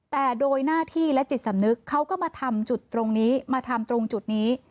แต่โดยหน้าที่และจิตสำนึกเขาก็มาทำจุดตรงนี้มาทำตรงจุดนี้